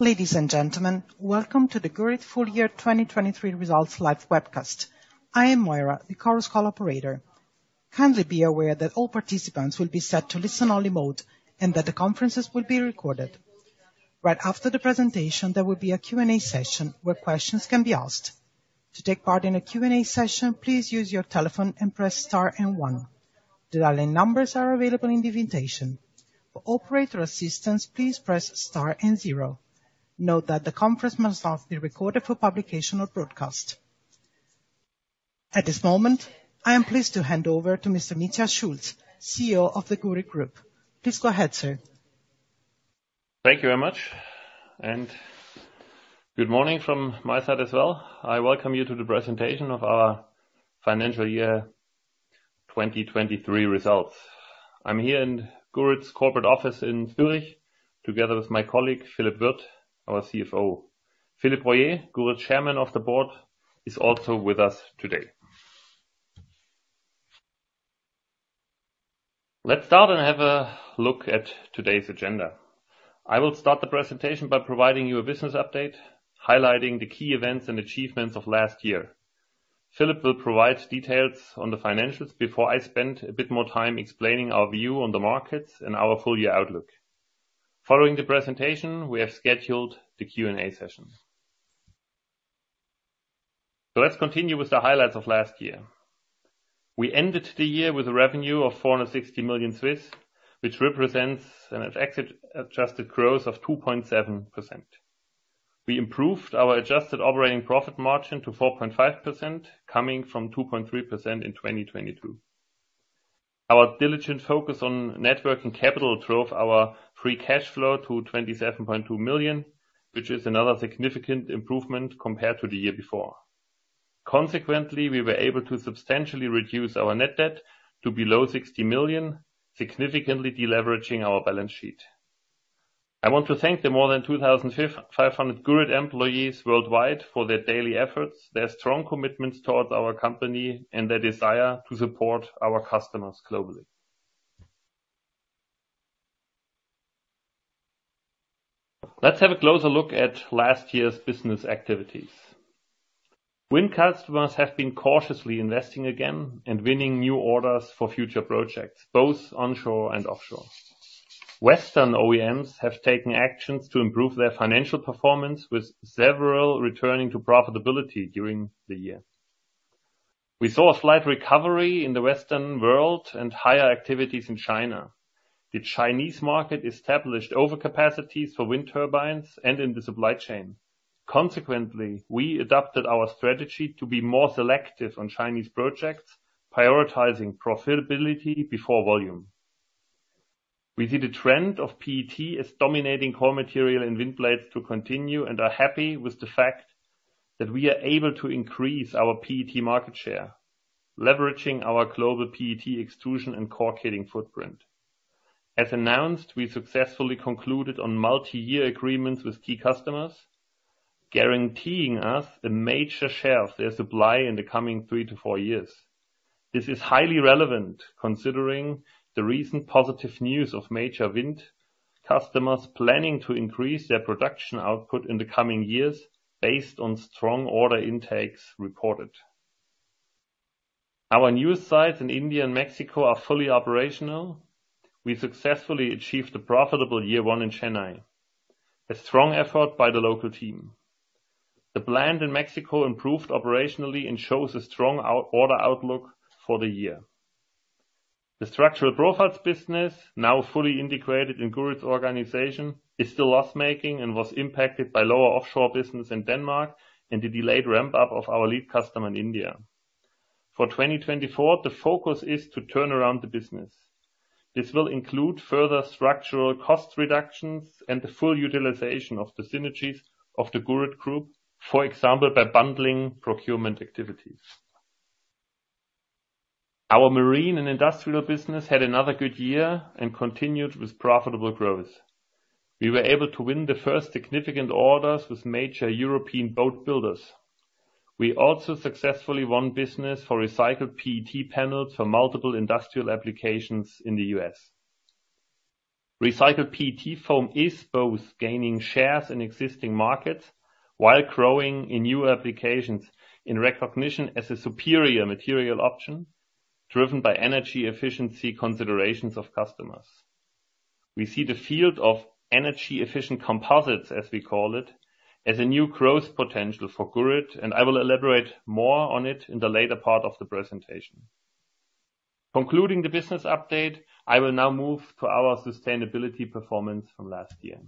Ladies and gentlemen, welcome to the Gurit Full Year 2023 Results Live webcast. I am Moira, the Chorus Call operator. Kindly be aware that all participants will be set to listen-only mode and that the conferences will be recorded. Right after the presentation, there will be a Q&A session where questions can be asked. To take part in a Q&A session, please use your telephone and press star and one. The dial-in numbers are available in the invitation. For operator assistance, please press star and zero. Note that the conference must not be recorded for publication or broadcast. At this moment, I am pleased to hand over to Mr. Mitja Schulz, CEO of the Gurit Group. Please go ahead, sir. Thank you very much. And good morning from my side as well. I welcome you to the presentation of our financial year 2023 results. I'm here in Gurit's corporate office in Zürich together with my colleague, Philippe Wirth, our CFO. Philippe Royer, Gurit Chairman of the Board, is also with us today. Let's start and have a look at today's agenda. I will start the presentation by providing you a business update, highlighting the key events and achievements of last year. Philippe will provide details on the financials before I spend a bit more time explaining our view on the markets and our full year outlook. Following the presentation, we have scheduled the Q&A session. So let's continue with the highlights of last year. We ended the year with a revenue of 460 million, which represents an exit-adjusted growth of 2.7%. We improved our adjusted operating profit margin to 4.5%, coming from 2.3% in 2022. Our diligent focus on net working capital drove our free cash flow to 27.2 million, which is another significant improvement compared to the year before. Consequently, we were able to substantially reduce our net debt to below 60 million, significantly deleveraging our balance sheet. I want to thank the more than 2,500 Gurit employees worldwide for their daily efforts, their strong commitments toward our company, and their desire to support our customers globally. Let's have a closer look at last year's business activities. Wind customers have been cautiously investing again and winning new orders for future projects, both onshore and offshore. Western OEMs have taken actions to improve their financial performance, with several returning to profitability during the year. We saw a slight recovery in the Western world and higher activities in China. The Chinese market established overcapacities for wind turbines and in the supply chain. Consequently, we adopted our strategy to be more selective on Chinese projects, prioritizing profitability before volume. We see the trend of PET as dominating core material in wind blades to continue and are happy with the fact that we are able to increase our PET market share, leveraging our global PET extrusion and core kitting footprint. As announced, we successfully concluded on multi-year agreements with key customers, guaranteeing us a major share of their supply in the coming 3-4 years. This is highly relevant considering the recent positive news of major wind customers planning to increase their production output in the coming years based on strong order intakes reported. Our news sites in India and Mexico are fully operational. We successfully achieved a profitable year 1 in Chennai, a strong effort by the local team. The brand in Mexico improved operationally and shows a strong order outlook for the year. The Structural Profiles business, now fully integrated in Gurit's organization, is still loss-making and was impacted by lower offshore business in Denmark and the delayed ramp-up of our lead customer in India. For 2024, the focus is to turn around the business. This will include further structural cost reductions and the full utilization of the synergies of the Gurit Group, for example, by bundling procurement activities. Our Marine and Industrial business had another good year and continued with profitable growth. We were able to win the first significant orders with major European boat builders. We also successfully won business for recycled PET panels for multiple industrial applications in the U.S. Recycled PET foam is both gaining shares in existing markets while growing in new applications in recognition as a superior material option, driven by energy efficiency considerations of customers. We see the field of energy-efficient composites, as we call it, as a new growth potential for Gurit, and I will elaborate more on it in the later part of the presentation. Concluding the business update, I will now move to our sustainability performance from last year.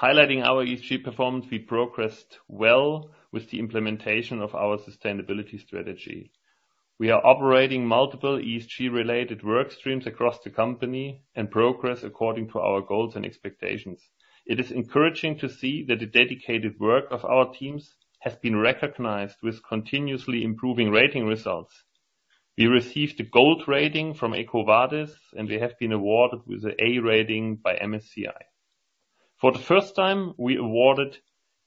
Highlighting our ESG performance, we progressed well with the implementation of our sustainability strategy. We are operating multiple ESG-related workstreams across the company and progress according to our goals and expectations. It is encouraging to see that the dedicated work of our teams has been recognized with continuously improving rating results. We received the gold rating from EcoVadis, and we have been awarded with an A rating by MSCI. For the first time, we awarded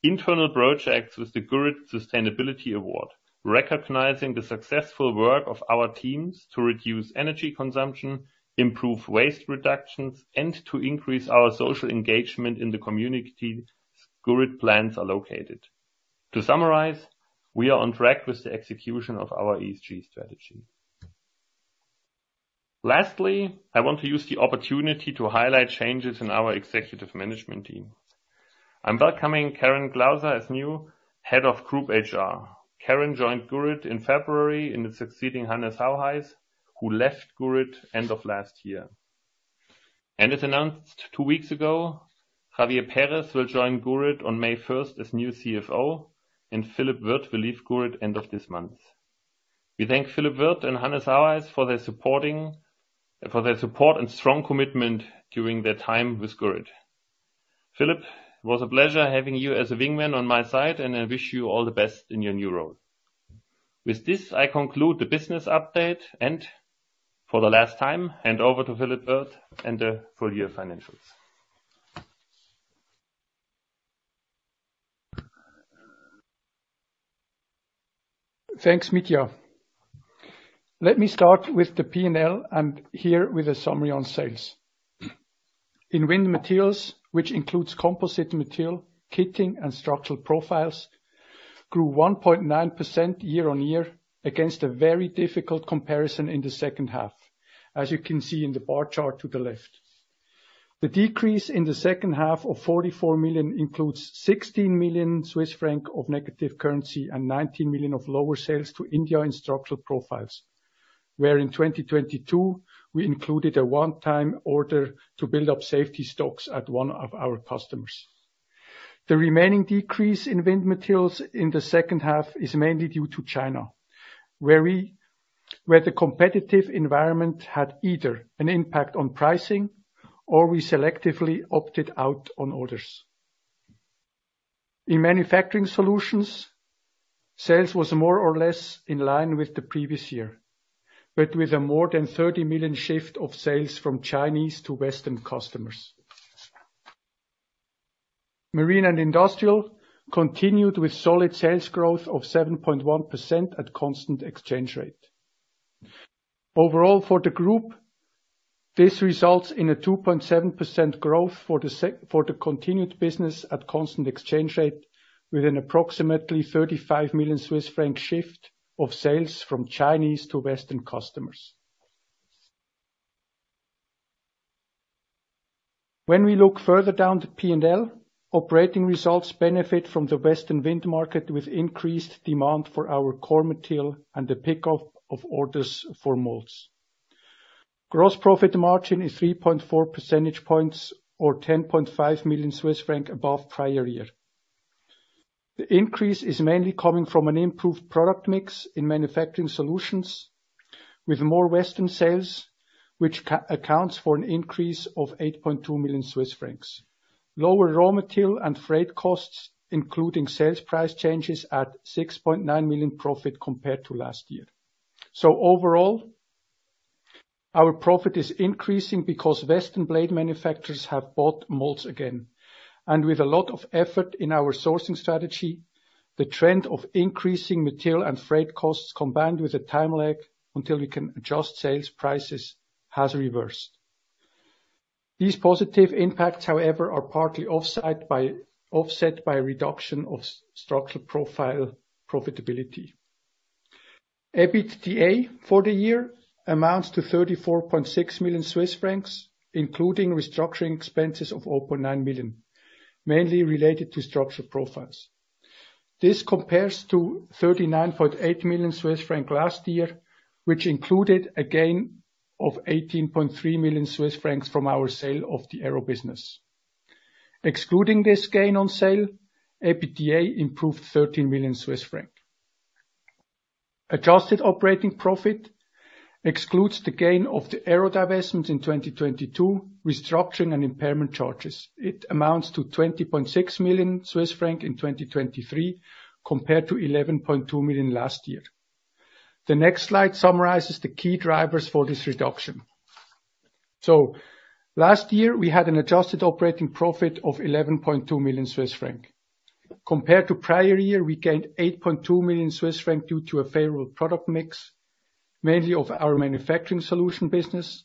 internal projects with the Gurit Sustainability Award, recognizing the successful work of our teams to reduce energy consumption, improve waste reductions, and to increase our social engagement in the community Gurit plants are located. To summarize, we are on track with the execution of our ESG strategy. Lastly, I want to use the opportunity to highlight changes in our executive management team. I'm welcoming Karen Glauser as new Head of Group HR. Karen joined Gurit in February, succeeding Hannes Haueis, who left Gurit end of last year. As announced two weeks ago, Javier Perez will join Gurit on May 1st as new CFO, and Philippe Wirth will leave Gurit end of this month. We thank Philippe Wirth and Hannes Haueis for their support and strong commitment during their time with Gurit. Philippe, it was a pleasure having you as a wingman on my side, and I wish you all the best in your new role. With this, I conclude the business update and, for the last time, hand over to Philippe Wirth and the full year financials. Thanks, Mitja. Let me start with the P&L and here with a summary on sales. In Wind Materials, which includes composite material, kitting, and structural profiles, grew 1.9% year-on-year against a very difficult comparison in the second half, as you can see in the bar chart to the left. The decrease in the second half of 44 million includes 16 million Swiss franc of negative currency and 19 million of lower sales to India in structural profiles, where in 2022, we included a one-time order to build up safety stocks at one of our customers. The remaining decrease in Wind Materials in the second half is mainly due to China, where the competitive environment had either an impact on pricing or we selectively opted out on orders. In Manufacturing Solutions, sales was more or less in line with the previous year, but with a more than 30 million shift of sales from Chinese to Western customers. Marine and Industrial continued with solid sales growth of 7.1% at constant exchange rate. Overall, for the group, this results in a 2.7% growth for the continued business at constant exchange rate with an approximately 35 million Swiss franc shift of sales from Chinese to Western customers. When we look further down the P&L, operating results benefit from the Western wind market with increased demand for our core material and the pickup of orders for molds. Gross profit margin is 3.4 percentage points or 10.5 million Swiss francs above prior year. The increase is mainly coming from an improved product mix in Manufacturing Solutions with more Western sales, which accounts for an increase of 8.2 million Swiss francs. Lower raw material and freight costs, including sales price changes at 6.9 million profit compared to last year. So overall, our profit is increasing because Western blade manufacturers have bought molds again. And with a lot of effort in our sourcing strategy, the trend of increasing material and freight costs combined with a time lag until we can adjust sales prices has reversed. These positive impacts, however, are partly offset by a reduction of structural profile profitability. EBITDA for the year amounts to 34.6 million Swiss francs, including restructuring expenses of 0.9 million, mainly related to structural profiles. This compares to 39.8 million Swiss francs last year, which included a gain of 18.3 million Swiss francs from our sale of the Aero business. Excluding this gain on sale, EBITDA improved 13 million Swiss francs. Adjusted operating profit excludes the gain of the Aero divestment in 2022 with structuring and impairment charges. It amounts to 20.6 million Swiss franc in 2023 compared to 11.2 million last year. The next slide summarizes the key drivers for this reduction. So last year, we had an adjusted operating profit of 11.2 million Swiss franc. Compared to prior year, we gained 8.2 million Swiss franc due to a favorable product mix, mainly of our manufacturing solution business.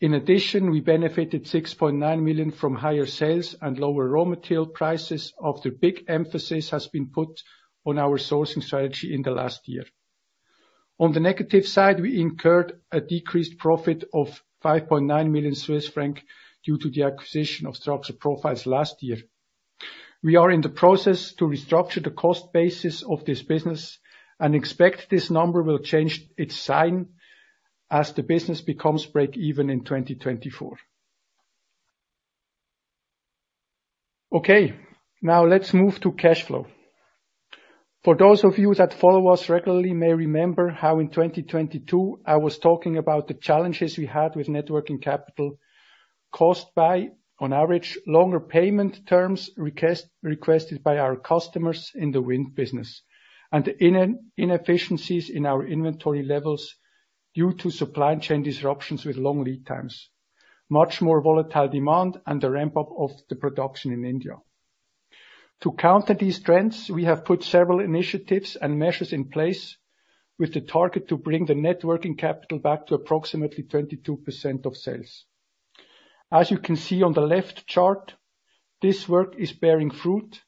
In addition, we benefited 6.9 million from higher sales and lower raw material prices after big emphasis has been put on our sourcing strategy in the last year. On the negative side, we incurred a decreased profit of 5.9 million Swiss francs due to the acquisition of structural profiles last year. We are in the process to restructure the cost basis of this business and expect this number will change its sign as the business becomes break-even in 2024. Okay, now let's move to cash flow. For those of you that follow us regularly may remember how in 2022, I was talking about the challenges we had with net working capital caused by, on average, longer payment terms requested by our customers in the wind business and the inefficiencies in our inventory levels due to supply chain disruptions with long lead times, much more volatile demand, and the ramp-up of the production in India. To counter these trends, we have put several initiatives and measures in place with the target to bring the net working capital back to approximately 22% of sales. As you can see on the left chart, this work is bearing fruit,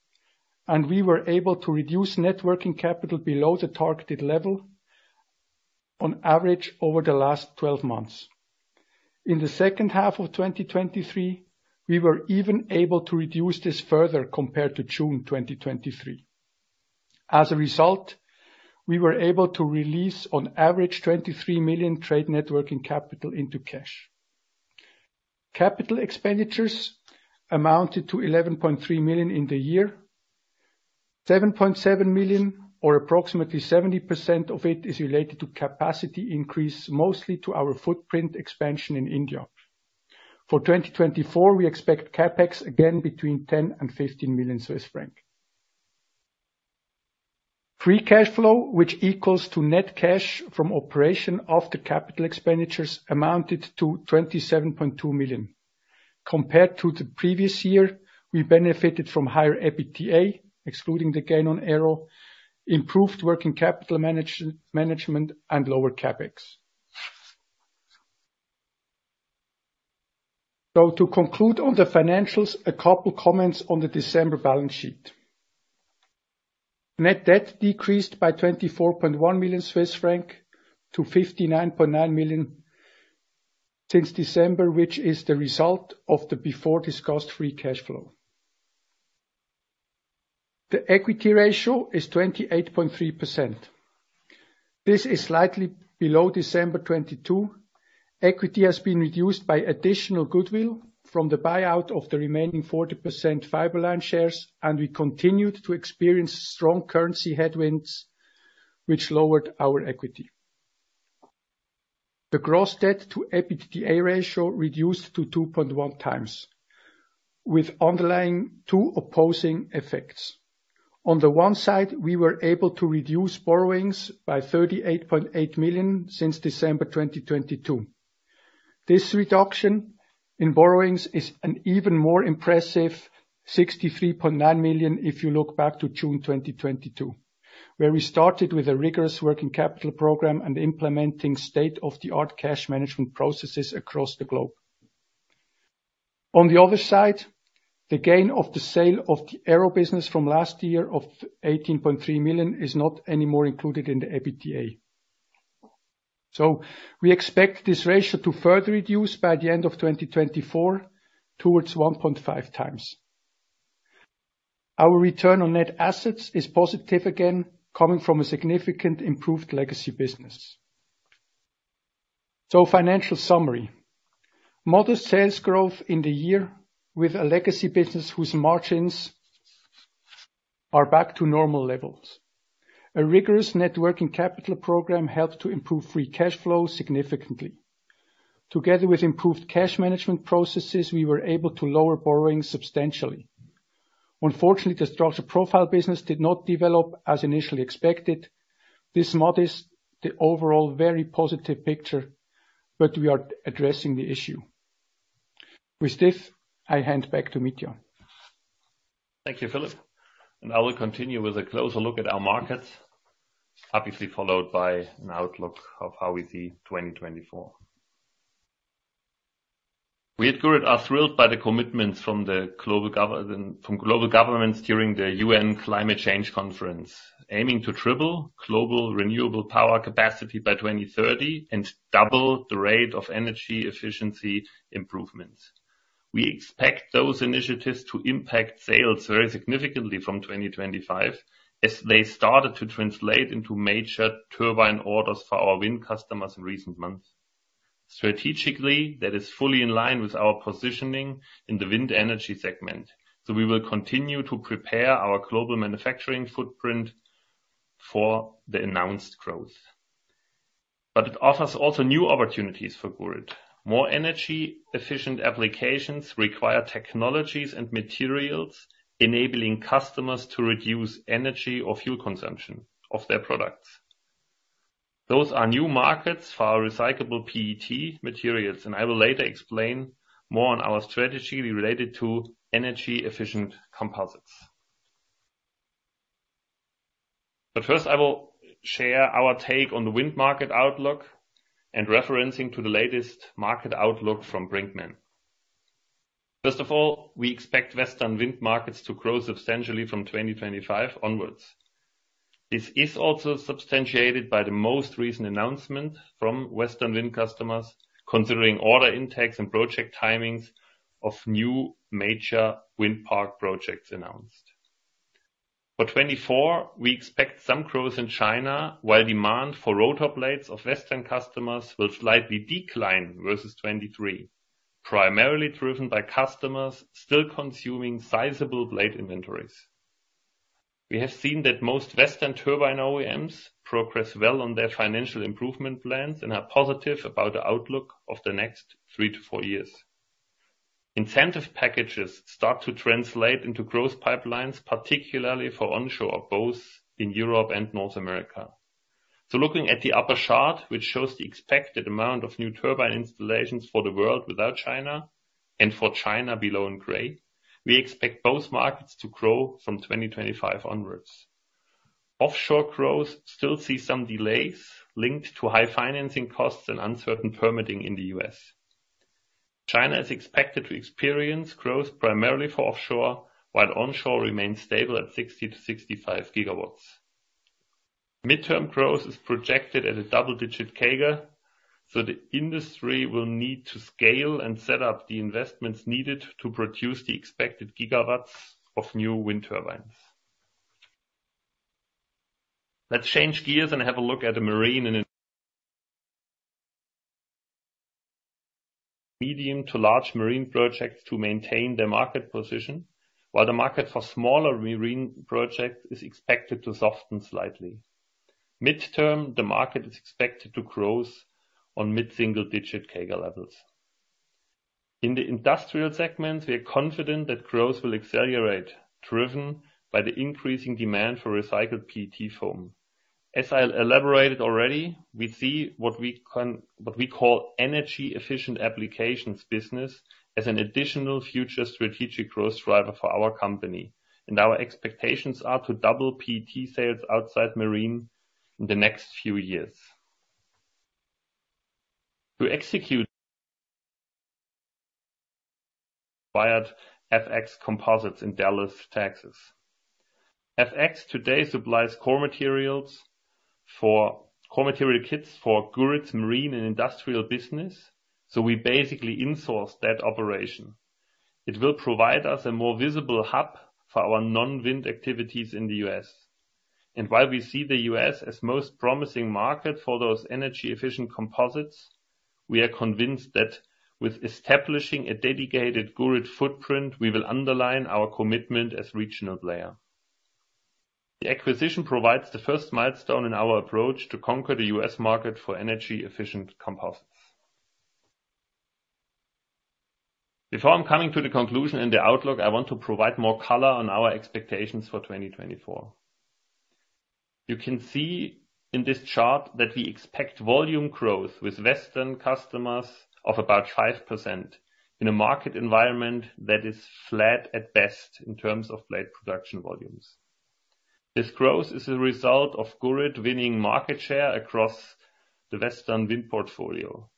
and we were able to reduce net working capital below the targeted level, on average, over the last 12 months. In the second half of 2023, we were even able to reduce this further compared to June 2023. As a result, we were able to release, on average, 23 million trade net working capital into cash. Capital expenditures amounted to 11.3 million in the year. 7.7 million, or approximately 70% of it, is related to capacity increase, mostly to our footprint expansion in India. For 2024, we expect CapEx again between 10 million and 15 million Swiss franc. Free cash flow, which equals to net cash from operations after capital expenditures, amounted to 27.2 million. Compared to the previous year, we benefited from higher EBITDA, excluding the gain on Aero, improved working capital management, and lower CapEx. So to conclude on the financials, a couple of comments on the December balance sheet. Net debt decreased by 24.1 million Swiss franc to 59.9 million since December, which is the result of the before-discussed free cash flow. The equity ratio is 28.3%. This is slightly below December 2022. Equity has been reduced by additional goodwill from the buyout of the remaining 40% Fiberline shares, and we continued to experience strong currency headwinds, which lowered our equity. The gross debt-to-EBITDA ratio reduced to 2.1x, with underlying two opposing effects. On the one side, we were able to reduce borrowings by 38.8 million since December 2022. This reduction in borrowings is an even more impressive 63.9 million if you look back to June 2022, where we started with a rigorous working capital program and implementing state-of-the-art cash management processes across the globe. On the other side, the gain of the sale of the Aero business from last year of 18.3 million is not anymore included in the EBITDA. So we expect this ratio to further reduce by the end of 2024 towards 1.5x. Our return on net assets is positive again, coming from a significant improved legacy business. So financial summary. Modest sales growth in the year with a legacy business whose margins are back to normal levels. A rigorous net working capital program helped to improve free cash flow significantly. Together with improved cash management processes, we were able to lower borrowings substantially. Unfortunately, the structural profile business did not develop as initially expected. This muddies the overall very positive picture, but we are addressing the issue. With this, I hand back to Mitja. Thank you, Philippe. And I will continue with a closer look at our markets, obviously followed by an outlook of how we see 2024. We at Gurit are thrilled by the commitments from the global governments during the UN Climate Change Conference, aiming to triple global renewable power capacity by 2030 and double the rate of energy efficiency improvements. We expect those initiatives to impact sales very significantly from 2025 as they started to translate into major turbine orders for our wind customers in recent months. Strategically, that is fully in line with our positioning in the wind energy segment. So we will continue to prepare our global manufacturing footprint for the announced growth. But it offers also new opportunities for Gurit. More energy-efficient applications require technologies and materials enabling customers to reduce energy or fuel consumption of their products. Those are new markets for our recyclable PET materials, and I will later explain more on our strategy related to energy-efficient composites. But first, I will share our take on the wind market outlook and referencing to the latest market outlook from Brinckmann. First of all, we expect Western wind markets to grow substantially from 2025 onwards. This is also substantiated by the most recent announcement from Western wind customers considering order intakes and project timings of new major wind park projects announced. For 2024, we expect some growth in China while demand for rotor blades of Western customers will slightly decline versus 2023, primarily driven by customers still consuming sizable blade inventories. We have seen that most Western turbine OEMs progress well on their financial improvement plans and are positive about the outlook of the next 3-4 years. Incentive packages start to translate into growth pipelines, particularly for onshore or both in Europe and North America. So looking at the upper chart, which shows the expected amount of new turbine installations for the world without China and for China below in gray, we expect both markets to grow from 2025 onwards. Offshore growth still sees some delays linked to high financing costs and uncertain permitting in the U.S. China is expected to experience growth primarily for offshore while onshore remains stable at 60-65 GW. Midterm growth is projected at a double-digit CAGR, so the industry will need to scale and set up the investments needed to produce the expected gigawatts of new wind turbines. Let's change gears and have a look at the marine and medium to large marine projects to maintain their market position, while the market for smaller marine projects is expected to soften slightly. Midterm, the market is expected to grow on mid-single-digit CAGR levels. In the industrial segments, we are confident that growth will accelerate, driven by the increasing demand for recycled PET foam. As I elaborated already, we see what we call energy-efficient applications business as an additional future strategic growth driver for our company. Our expectations are to double PET sales outside marine in the next few years. To execute, we acquired FX Composites in Dallas, Texas. FX today supplies core materials for core material kits for Gurit's Marine and Industrial business. So we basically insource that operation. It will provide us a more visible hub for our non-wind activities in the US. While we see the U.S. as the most promising market for those energy-efficient composites, we are convinced that with establishing a dedicated Gurit footprint, we will underline our commitment as a regional player. The acquisition provides the first milestone in our approach to conquer the U.S. market for energy-efficient composites. Before I'm coming to the conclusion and the outlook, I want to provide more color on our expectations for 2024. You can see in this chart that we expect volume growth with Western customers of about 5% in a market environment that is flat at best in terms of blade production volumes. This growth is the result of Gurit winning market share across the Western wind portfolio.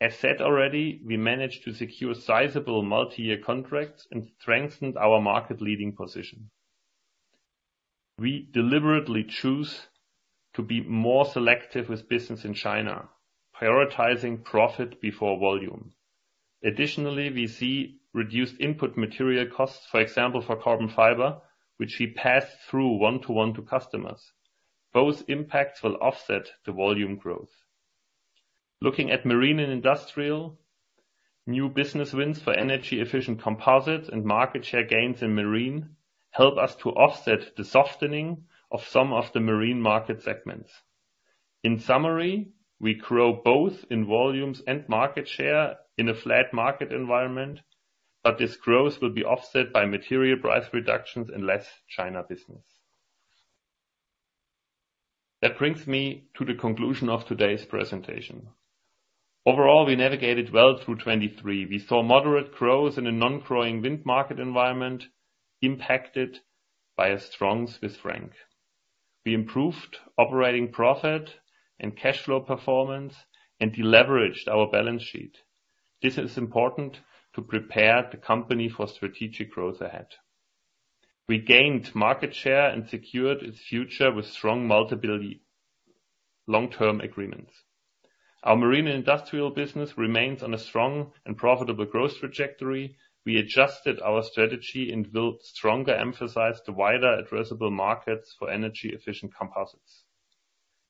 As said already, we managed to secure sizable multi-year contracts and strengthened our market-leading position. We deliberately choose to be more selective with business in China, prioritizing profit before volume. Additionally, we see reduced input material costs, for example, for carbon fiber, which we pass through one-to-one to customers. Both impacts will offset the volume growth. Looking at Marine and Industrial, new business wins for energy-efficient composites and market share gains in marine help us to offset the softening of some of the marine market segments. In summary, we grow both in volumes and market share in a flat market environment, but this growth will be offset by material price reductions and less China business. That brings me to the conclusion of today's presentation. Overall, we navigated well through 2023. We saw moderate growth in a non-growing wind market environment impacted by a strong Swiss franc. We improved operating profit and cash flow performance and deleveraged our balance sheet. This is important to prepare the company for strategic growth ahead. We gained market share and secured its future with strong multiple long-term agreements. Our Marine and Industrial business remains on a strong and profitable growth trajectory. We adjusted our strategy and will strongly emphasize the wider addressable markets for energy-efficient composites.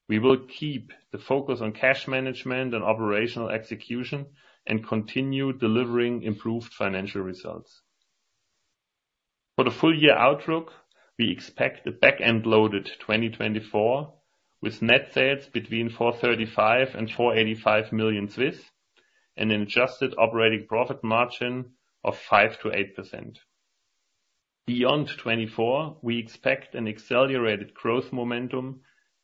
We will keep the focus on cash management and operational execution and continue delivering improved financial results. For the full-year outlook, we expect a backend-loaded 2024 with net sales between 435 million and 485 million and an adjusted operating profit margin of 5%-8%. Beyond 2024, we expect an accelerated growth momentum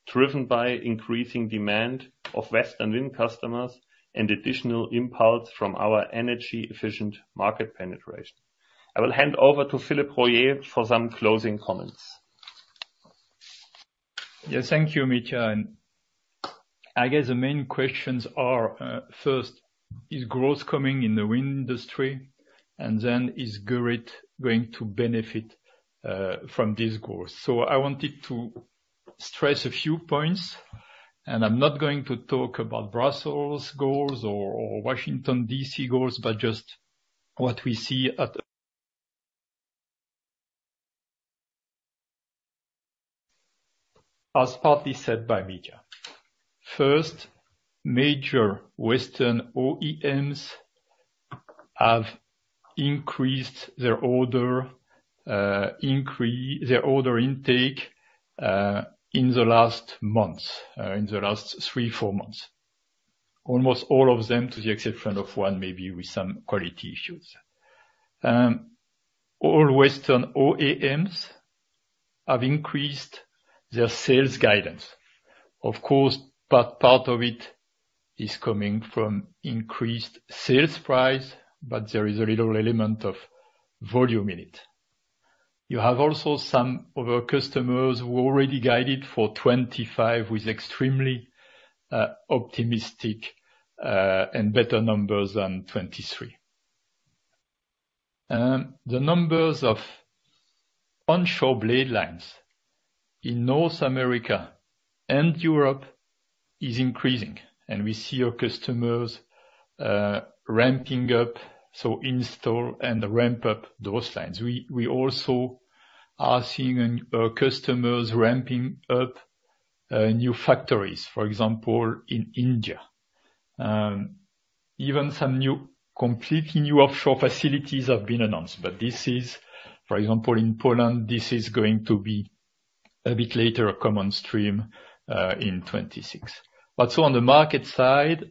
driven by increasing demand of Western wind customers and additional impulse from our energy-efficient market penetration. I will hand over to Philippe Royer for some closing comments. Yeah, thank you, Mitja. And I guess the main questions are, first, is growth coming in the wind industry? And then, is Gurit going to benefit from this growth? So I wanted to stress a few points. And I'm not going to talk about Brussels goals or Washington, D.C. goals, but just what we see as partly said by Mitja. First, major Western OEMs have increased their order intake in the last months, in the last 3-4 months. Almost all of them, to the exception of one, maybe with some quality issues. All Western OEMs have increased their sales guidance. Of course, part of it is coming from increased sales price, but there is a little element of volume in it. You have also some of our customers who are already guided for 2025 with extremely optimistic and better numbers than 2023. The numbers of onshore blade lines in North America and Europe are increasing. We see our customers ramping up, so install and ramp up those lines. We also are seeing our customers ramping up new factories, for example, in India. Even some completely new offshore facilities have been announced. This is, for example, in Poland, this is going to be a bit later come on stream in 2026. So on the market side,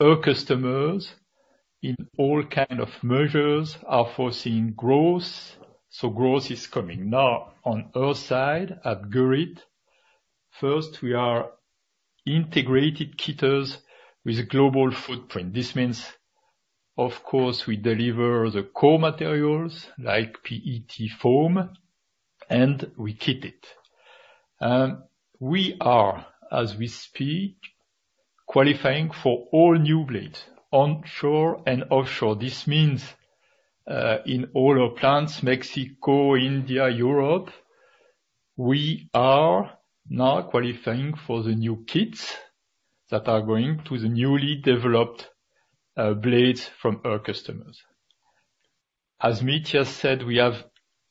our customers in all kinds of measures are forcing growth. Growth is coming. Now, on our side at Gurit, first, we are integrated kitting with a global footprint. This means, of course, we deliver the core materials like PET foam, and we kit it. We are, as we speak, qualifying for all new blades, onshore and offshore. This means in all our plants, Mexico, India, Europe, we are now qualifying for the new kits that are going to the newly developed blades from our customers. As Mitja said, we have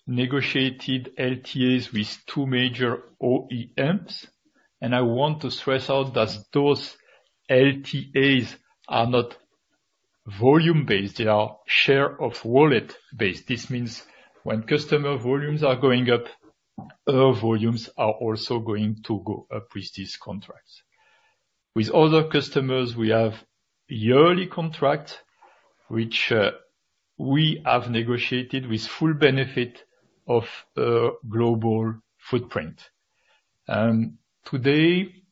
negotiated LTAs with two major OEMs. I want to stress out that those LTAs are not volume-based. They are share-of-wallet-based. This means when customer volumes are going up, our volumes are also going to go up with these contracts. With other customers, we have yearly contracts, which we have negotiated with full benefit of our global footprint. Today,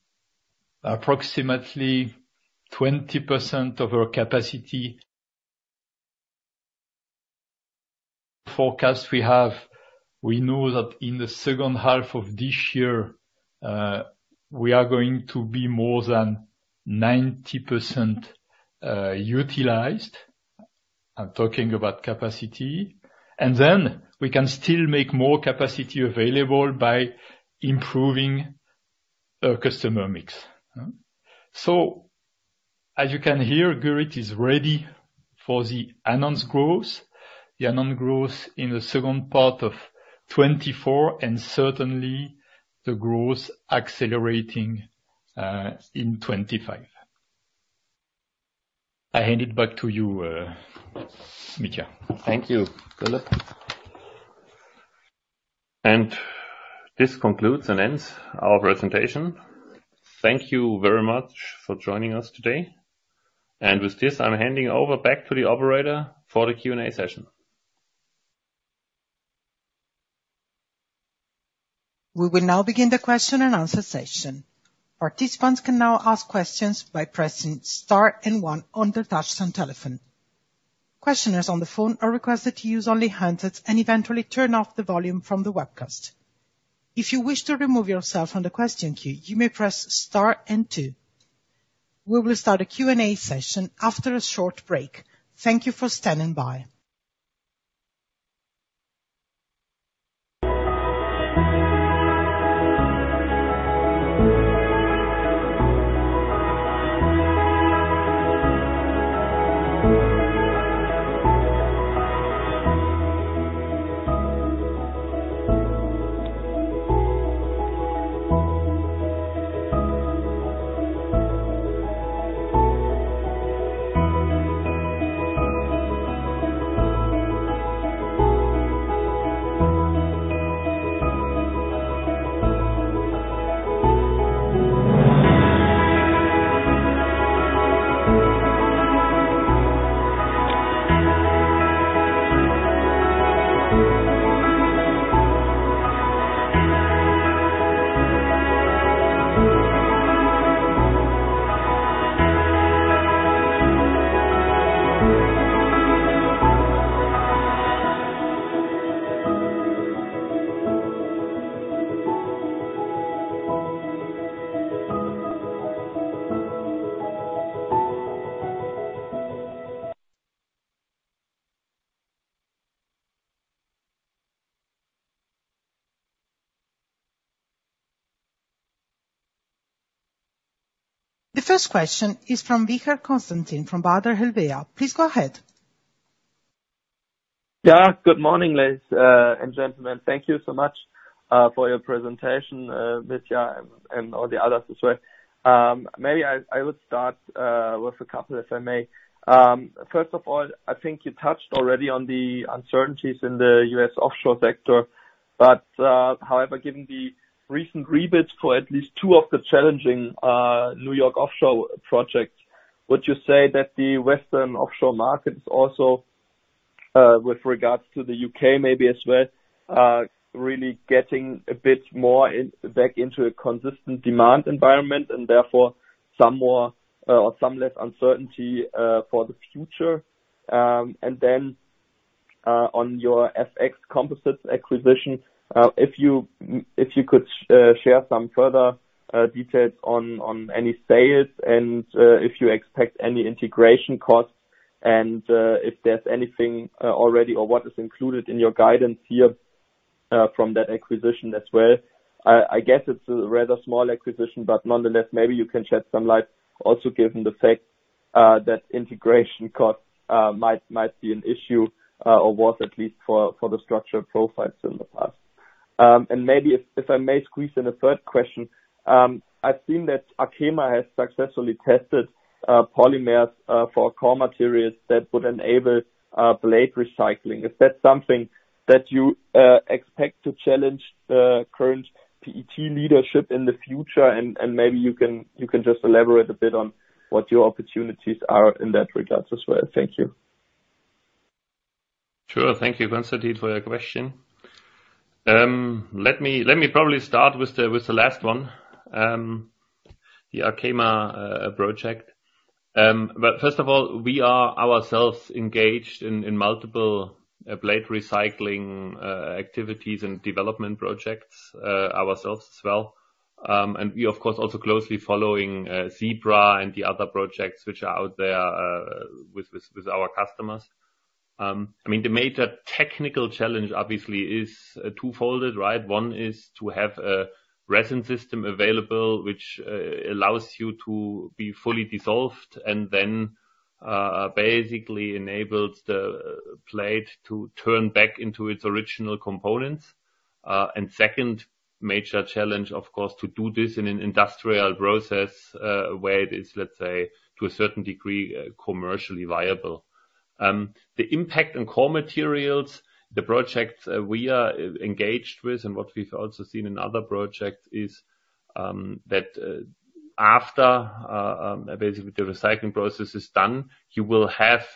approximately 20% of our capacity forecast we have, we know that in the second half of this year, we are going to be more than 90% utilized. I'm talking about capacity. Then, we can still make more capacity available by improving our customer mix. As you can hear, Gurit is ready for the announced growth, the announced growth in the second part of 2024, and certainly the growth accelerating in 2025. I hand it back to you, Mitja. Thank you, Philippe. This concludes and ends our presentation. Thank you very much for joining us today. With this, I'm handing over back to the operator for the Q&A session. We will now begin the question and answer session. Participants can now ask questions by pressing star and one on their touchscreen telephone. Questioners on the phone are requested to use only handsets and eventually turn off the volume from the webcast. If you wish to remove yourself from the question queue, you may press star and two. We will start a Q&A session after a short break. Thank you for standing by. The first question is from Konstantin Wiechert from Baader Helvea. Please go ahead. Yeah, good morning, ladies and gentlemen. Thank you so much for your presentation, Mitja, and all the others as well. Maybe I would start with a couple, if I may. First of all, I think you touched already on the uncertainties in the U.S. offshore sector. But however, given the recent rebids for at least two of the challenging New York offshore projects, would you say that the Western offshore market is also, with regards to the U.K. maybe as well, really getting a bit more back into a consistent demand environment and therefore some more or some less uncertainty for the future? And then on your FX Composites acquisition, if you could share some further details on any sales and if you expect any integration costs and if there's anything already or what is included in your guidance here from that acquisition as well? I guess it's a rather small acquisition, but nonetheless, maybe you can shed some light, also given the fact that integration costs might be an issue or was at least for the structural profiles in the past. And maybe, if I may squeeze in a third question, I've seen that Arkema has successfully tested polymers for core materials that would enable blade recycling. Is that something that you expect to challenge the current PET leadership in the future? And maybe you can just elaborate a bit on what your opportunities are in that regard as well. Thank you. Sure. Thank you, Konstantin, for your question. Let me probably start with the last one, the Arkema project. But first of all, we are ourselves engaged in multiple blade recycling activities and development projects ourselves as well. And we, of course, are also closely following ZEBRA and the other projects which are out there with our customers. I mean, the major technical challenge, obviously, is twofold, right? One is to have a resin system available which allows you to be fully dissolved and then basically enables the blade to turn back into its original components. And second major challenge, of course, is to do this in an industrial process where it is, let's say, to a certain degree, commercially viable. The impact on core materials, the projects we are engaged with and what we've also seen in other projects is that after, basically, the recycling process is done, you will have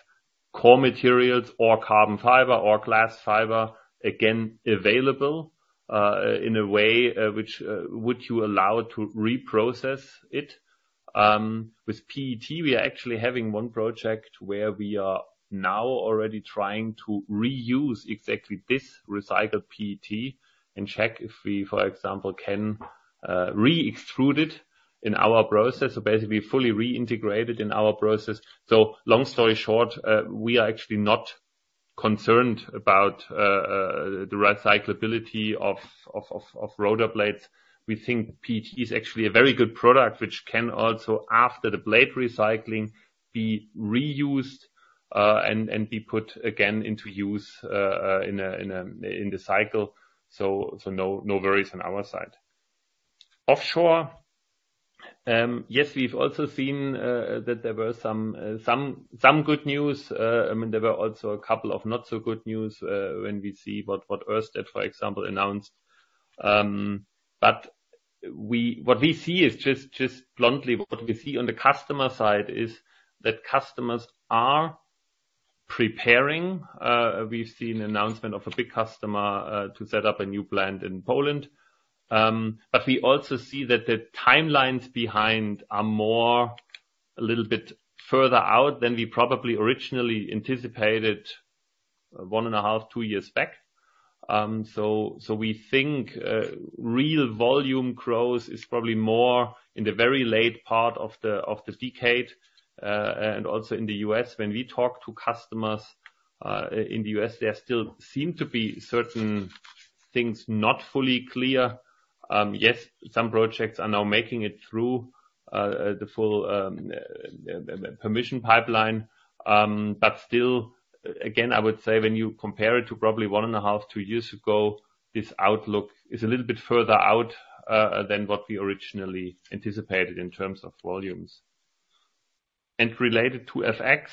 core materials or carbon fiber or glass fiber, again, available in a way which would allow you to reprocess it. With PET, we are actually having one project where we are now already trying to reuse exactly this recycled PET and check if we, for example, can re-extrude it in our process or basically fully reintegrate it in our process. So long story short, we are actually not concerned about the recyclability of rotor blades. We think PET is actually a very good product which can also, after the blade recycling, be reused and be put again into use in the cycle. So no worries on our side. Offshore, yes, we've also seen that there was some good news. I mean, there were also a couple of not-so-good news when we see what Ørsted, for example, announced. But what we see is just bluntly, what we see on the customer side is that customers are preparing. We've seen an announcement of a big customer to set up a new plant in Poland. But we also see that the timelines behind are a little bit further out than we probably originally anticipated 1.5, 2 years back. So we think real volume growth is probably more in the very late part of the decade. And also in the U.S., when we talk to customers in the U.S., there still seem to be certain things not fully clear. Yes, some projects are now making it through the full permission pipeline. But still, again, I would say when you compare it to probably 1.5, 2 years ago, this outlook is a little bit further out than what we originally anticipated in terms of volumes. And related to FX,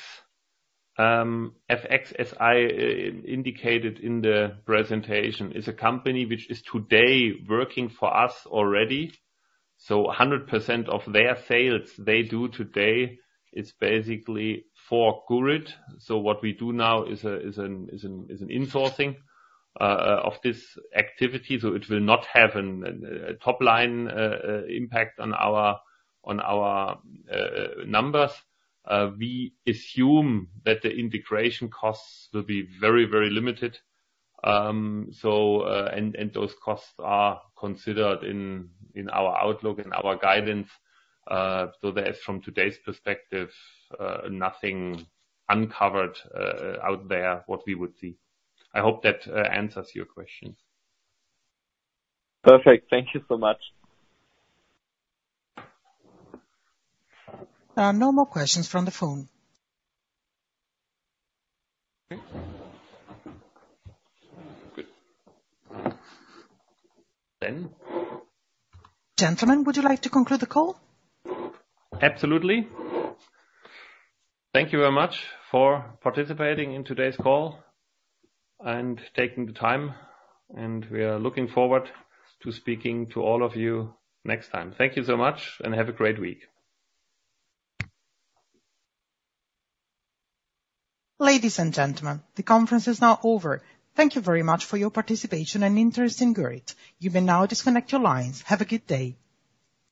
FX, as I indicated in the presentation, is a company which is today working for us already. So 100% of their sales they do today is basically for Gurit. So what we do now is an insourcing of this activity. So it will not have a top-line impact on our numbers. We assume that the integration costs will be very, very limited. And those costs are considered in our outlook, in our guidance. So there is, from today's perspective, nothing uncovered out there what we would see. I hope that answers your question. Perfect. Thank you so much. No more questions from the phone. Good. Then. Gentlemen, would you like to conclude the call? Absolutely. Thank you very much for participating in today's call and taking the time. We are looking forward to speaking to all of you next time. Thank you so much, and have a great week. Ladies and gentlemen, the conference is now over. Thank you very much for your participation and interest in Gurit. You may now disconnect your lines. Have a good day.